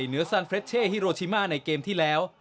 ซานเฟรชเช่ฮิโรชิมาในเกมที่แล้ว